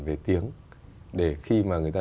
về tiếng để khi mà người ta